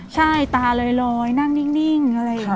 ใช่ตาลอยนั่งนิ่งอะไรอย่างนี้